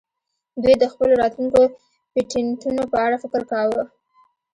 دوی د خپلو راتلونکو پیټینټونو په اړه فکر کاوه